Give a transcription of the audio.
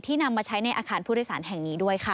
นำมาใช้ในอาคารผู้โดยสารแห่งนี้ด้วยค่ะ